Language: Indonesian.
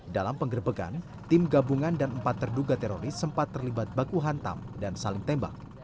dalam penggerbekan tim gabungan dan empat terduga teroris sempat terlibat baku hantam dan saling tembak